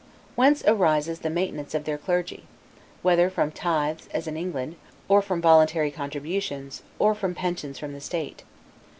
Whence arises the maintenance of their clergy; whether from tithes, as in England, or from voluntary contributions, or from pensions from the state.